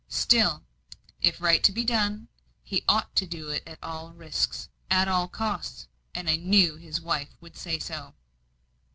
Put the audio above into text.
Still, if right to be done, he ought to do it at all risks, at all costs; and I knew his wife would say so.